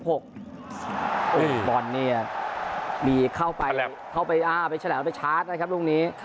โอ้ยบอลนี่มีเข้าไปอ้าวไปแฉลดไปชาร์จนะครับลุงนี้